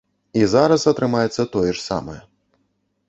І зараз атрымаецца тое ж самае.